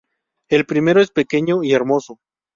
El primero es pequeño y hermoso.